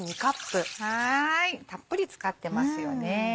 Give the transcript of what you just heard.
たっぷり使ってますよね。